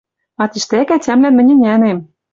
А тиштӓк ӓтямлӓн мӹнь ӹнянем.